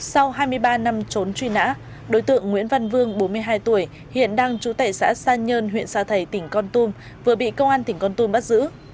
sau hai mươi ba năm trốn truy nã đối tượng nguyễn văn vương bốn mươi hai tuổi hiện đang trú tại xã san nhân huyện sa thầy tỉnh con tum vừa bị công an tỉnh con tum bắt giữ